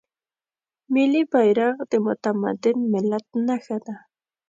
ملي بیرغ د متمدن ملت نښه ده.